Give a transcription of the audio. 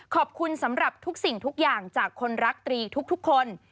ขอบคุณสำหรับทุกสิ่งทุกอย่างจากคนรักตรีทุกคน